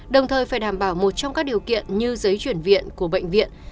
đồng thời phải đảm bảo một trong các điều kiện như giấy chuyển viện của bệnh viện